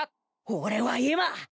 俺は今。